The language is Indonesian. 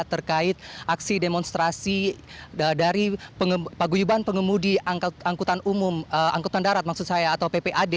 terkait aksi demonstrasi dari paguyuban pengemudi angkutan darat maksud saya atau ppad